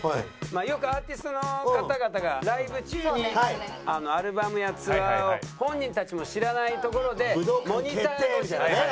よくアーティストの方々がライブ中にアルバムやツアーを本人たちも知らないところでモニター越しに。